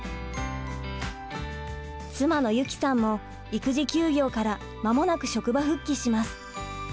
妻の由己さんも育児休業から間もなく職場復帰します。